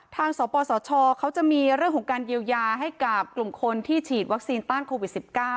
สปสชเขาจะมีเรื่องของการเยียวยาให้กับกลุ่มคนที่ฉีดวัคซีนต้านโควิด๑๙